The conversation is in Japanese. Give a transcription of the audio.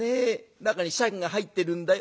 中にシャケが入ってるんだよ。